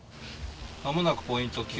まもなくポイント